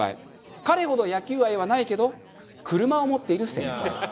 彼ほど野球愛はないけど車を持っている先輩。